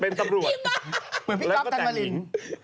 เป็นตำรวจแล้วก็แต่งหญิง